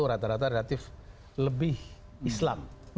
rata rata relatif lebih islam